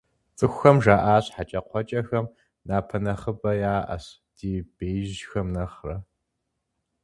ЦӀыхухэм жаӀащ: - ХьэкӀэкхъуэкӀэхэм напэ нэхъыбэ яӀэщ, ди беижьхэм нэхърэ!